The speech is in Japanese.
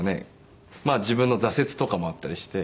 自分の挫折とかもあったりして。